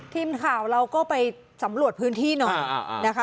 ทีมข่าวเราก็ไปสำรวจพื้นที่หน่อยนะคะ